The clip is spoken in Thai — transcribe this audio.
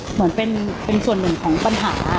เหมือนเป็นส่วนหนึ่งของปัญหา